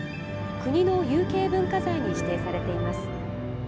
国の有形文化財に指定されています。